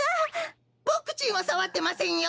ボクちんはさわってませんよ。